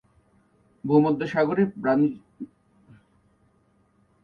ভূমধ্যসাগরে বাণিজ্যিক জাহাজ চলাচলের জটিল নেটওয়ার্ক ছিল।